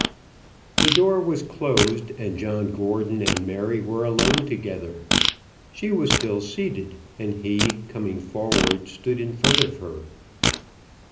The door was closed, and John Gordon and Mary were alone together. She was still seated, and he, coming forward, stood in front of her.